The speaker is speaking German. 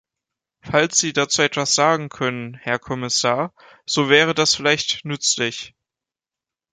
Falls Sie dazu etwas sagen können, Herr Kommissar, so wäre das vielleicht nützlich.